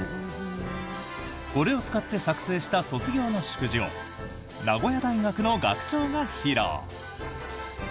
これを使って作成した卒業の祝辞を名古屋大学の学長が披露。